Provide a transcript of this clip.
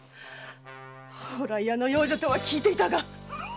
宝来屋の養女とは聞いていたが。